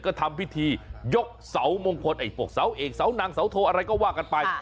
ก็ทำพิธียกเสามงคลไอ้พวกเสาเอกเสานังเสาโทอะไรก็ว่ากันไป